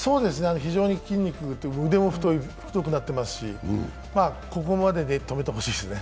非常に筋肉というか、腕も太くなっていますし、ここまでで止めてほしいですね。